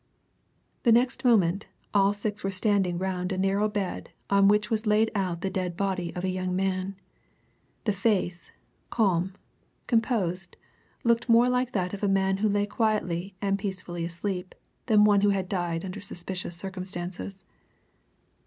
The next moment all six were standing round a narrow bed on which was laid out the dead body of a young man. The face, calm, composed, looked more like that of a man who lay quietly and peacefully asleep than one who had died under suspicious circumstances.